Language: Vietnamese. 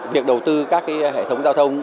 việc đầu tư các hệ thống giao thông